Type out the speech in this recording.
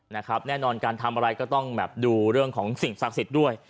แน่นอนการทำอะไรก็ต้องแบบดูเรื่องของสิ่งศักดิ์สิทธิ์ด้วย